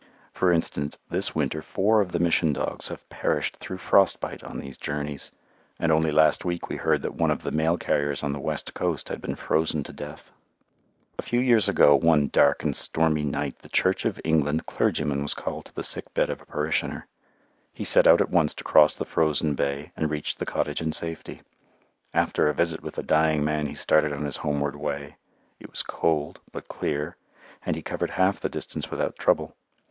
For instance, this winter four of the Mission dogs have perished through frost bite on these journeys; and only last week we heard that one of the mail carriers on the west coast had been frozen to death. A few years ago one dark and stormy night the Church of England clergyman was called to the sick bed of a parishioner. He set out at once to cross the frozen bay and reached the cottage in safety. After a visit with the dying man he started on his homeward way. It was cold but clear, and he covered half the distance without trouble.